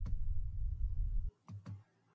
To the north is Market Street.